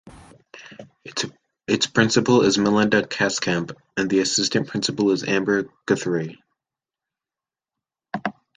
Its principal is Melinda Kasekamp, and the assistant principal is Amber Guthrie.